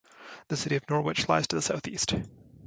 The city of Norwich lies to the south-east.